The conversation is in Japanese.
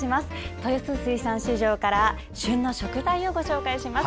豊洲水産市場から旬の食材をご紹介します。